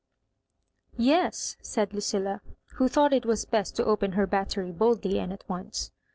" Yes," said Lucilla, who thought it was best to open her batteiy boldly and at once.